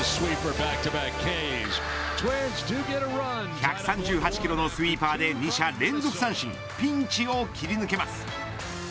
１３８キロのスイーパーで２者連続三振ピンチを切り抜けます。